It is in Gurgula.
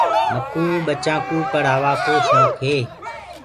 مڪوُ ٻچآنٚ ڪوُ ڦرهآووآ ڪو شونڪ هي۔